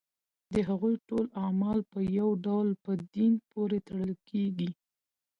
د هغوی ټول اعمال په یو ډول په دین پورې تړل کېږي.